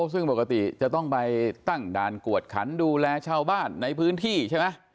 ซึ่งปกติจะต้องไปตั้งด่านกวดขันดูแลชาวบ้านในพื้นที่ใช่ไหม